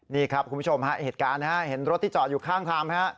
นี่ครับคุณผู้ชมฮะเหตุการณ์เห็นรถที่จอดอยู่ข้างทางฮะ